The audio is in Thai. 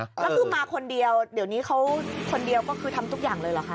แล้วคือมาคนเดียวเดี๋ยวนี้เขาคนเดียวก็คือทำทุกอย่างเลยเหรอคะ